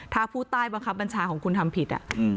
ถ้าผู้ใต้บังคับบัญชาของคุณทำผิด